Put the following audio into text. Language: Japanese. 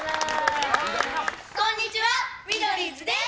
こんにちはミドリーズです！